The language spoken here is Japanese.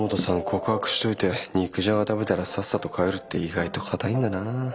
告白しといて肉じゃが食べたらさっさと帰るって意外と堅いんだな。